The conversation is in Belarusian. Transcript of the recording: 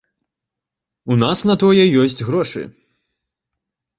У нас на тое ёсць грошы.